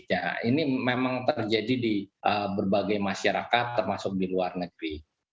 ya ini memang terjadi di berbagai masyarakat termasuk di luar negeri